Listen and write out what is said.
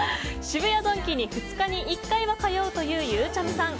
渋谷ドンキに２日に１回は通うというゆうちゃみさん。